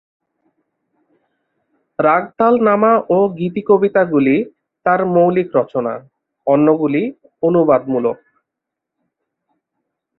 রাগতালনামা ও গীতিকবিতাগুলি তাঁর মৌলিক রচনা, অন্যগুলি অনুবাদমূলক।